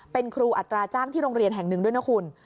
เป็นครูอัตราจ้างที่โรงเรียนแห่งหนึ่งด้วยนะคุณ